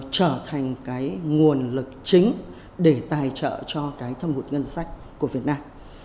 trở thành cái nguồn lực chính để tài trợ cho cái thâm hụt ngân sách của việt nam